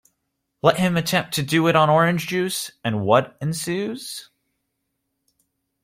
Let him attempt to do it on orange juice, and what ensues?